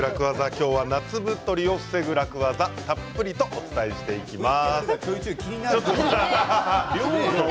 今日は夏太りを防ぐ楽ワザをたっぷりとお伝えします。